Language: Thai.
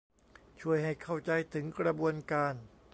ช่วยให้เข้าใจถึงกระบวนการ